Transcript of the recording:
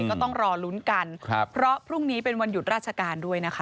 ก็ต้องรอลุ้นกันครับเพราะพรุ่งนี้เป็นวันหยุดราชการด้วยนะคะ